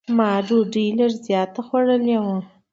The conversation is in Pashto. ما ډوډۍ لږ زیاته خوړلې وه.